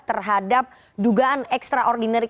terhadap dugaan extraordinary